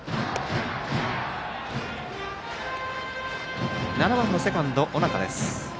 バッターは７番のセカンド、尾中です。